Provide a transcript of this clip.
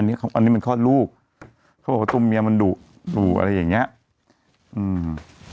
อันนี้อันนี้มันคลอดลูกเขาบอกว่าตัวเมียมันดุดุอะไรอย่างเงี้ยอืม